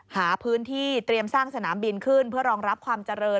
หาพื้นที่เตรียมสร้างสนามบินขึ้นเพื่อรองรับความเจริญ